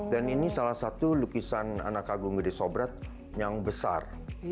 ini salah satu lukisan anak agung gede sobrat yang besar